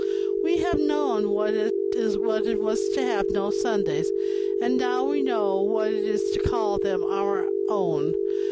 We have known what it was to have no Sundays, and now we know what it is to call them our own.